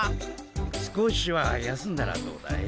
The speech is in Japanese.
少しは休んだらどうだい？